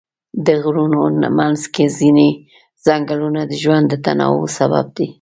د غرونو منځ کې ځینې ځنګلونه د ژوند د تنوع سبب دي.